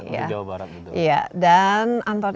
ya jawa barat gitu ya dan anton